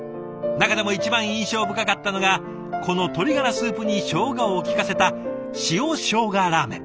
中でも一番印象深かったのがこの鶏がらスープにしょうがを利かせた塩しょうがラーメン。